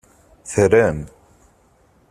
Terram.